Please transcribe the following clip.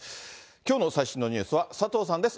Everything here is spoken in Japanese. きょうの最新のニュースは佐藤さんです。